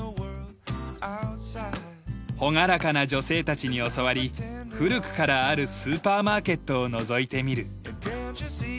朗らかな女性たちに教わり古くからあるスーパーマーケットをのぞいてみる。